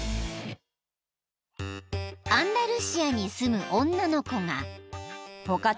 ［アンダルシアに住む女の子が］